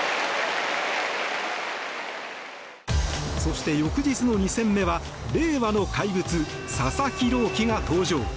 そして、翌日の２戦目は令和の怪物佐々木朗希が登場。